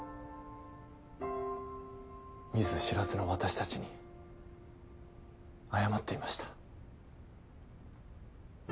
見ず知らずの私たちに謝っていました。